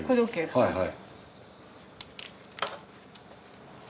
はいはい。